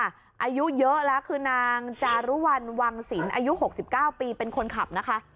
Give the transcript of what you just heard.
อายุเยอะแล้วคือนางจารุวัลวังศิลปอายุ๖๙ปีเป็นคนขับนะคะ